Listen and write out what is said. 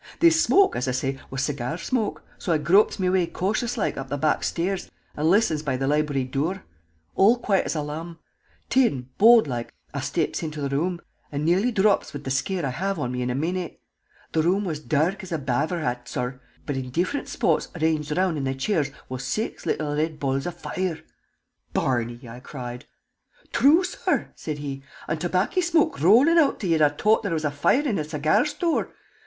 "This shmoke, as I say, was segyar shmoke, so I gropes me way cautious loike up the back sthairs and listens by the library dure. All quiet as a lamb. Thin, bold loike, I shteps into the room, and nearly drops wid the shcare I have on me in a minute. The room was dark as a b'aver hat, sorr, but in different shpots ranged round in the chairs was six little red balls of foire!" "Barney!" I cried. "Thrue, sorr," said he. "And tobacky shmoke rollin' out till you'd 'a' t'ought there was a foire in a segyar store!